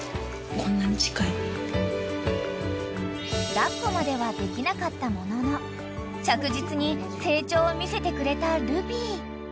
［抱っこまではできなかったものの着実に成長を見せてくれたルビー］